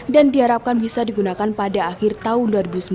dan diharapkan bisa digunakan pada akhir tahun dua ribu sembilan belas